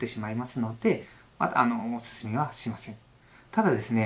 ただですね